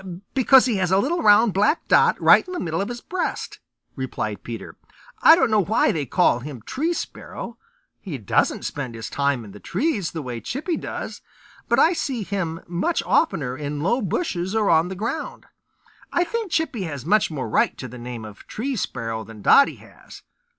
"Because he has a little round black dot right in the middle of his breast," replied Peter. "I don't know why they call him Tree Sparrow; he doesn't spend his time in the trees the way Chippy does, but I see him much oftener in low bushes or on the ground. I think Chippy has much more right to the name of Tree Sparrow than Dotty has.